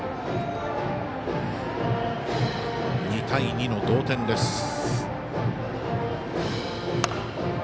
２対２の同点です。